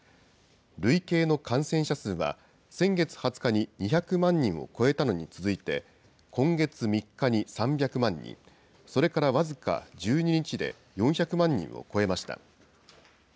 累計の感染者数は先月２０日に２００万人を超えたのに続いて、今月３日に３００万人、それから僅か１２日で４００万人を超えました。